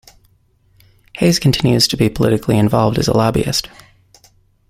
Hayes continues to be politically involved as a lobbyist.